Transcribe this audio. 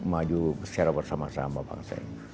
maju secara bersama sama bangsa ini